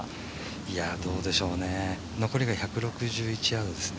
いやどうでしょうね、残りが１６１ヤードですね。